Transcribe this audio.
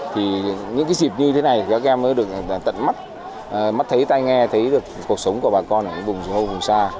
thì những cái dịp như thế này các em mới được tận mắt mắt thấy tay nghe thấy được cuộc sống của bà con ở những vùng dưới hô vùng xa